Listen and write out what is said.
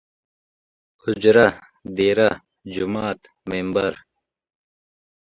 اوجره ، ديره ،جومات ،ممبر